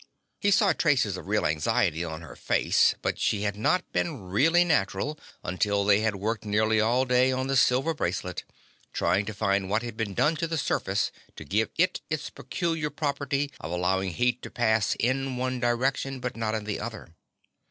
He saw traces of real anxiety on her face, but she had not been really natural until they had worked nearly all day on the silver bracelet, trying to find what had been done to the surface to give it its peculiar property of allowing heat to pass in one direction, but not in the other.